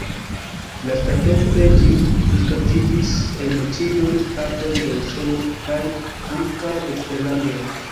Lastatempe ĝi disvastiĝis en ĉiujn partojn de Usono kaj ankaŭ eksterlanden.